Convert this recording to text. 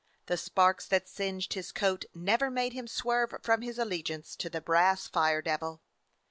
The sparks that singed his coat never made him swerve from his allegiance to the brass fire devil.